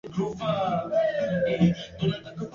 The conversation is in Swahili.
Libia Ulaya Kusini na Asia Magharibi mpaka Uajemi Kwa upande